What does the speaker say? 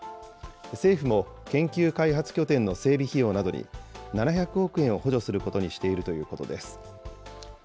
政府も研究開発拠点の整備費用などに、７００億円を補助することにしているということです。